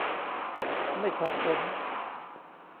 ไม่ขัดสน